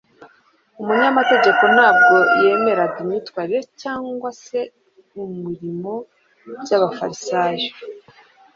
Umunyamategeko ntabwo yemeraga imyitwarire cyangwa se umurimo by'abafarisayo.